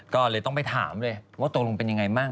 ก็เลยต้องไปถามเลยว่าตกลงเป็นยังไงบ้าง